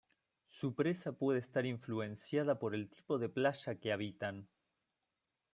Su presa puede estar influenciada por el tipo de playa que habitan.